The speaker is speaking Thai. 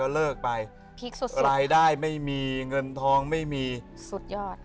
เลิกไปพลิกสุดรายได้ไม่มีเงินทองไม่มีสุดยอด